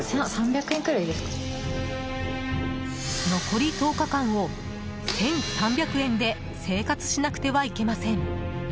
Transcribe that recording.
残り１０日間を１３００円で生活しなくてはいけません。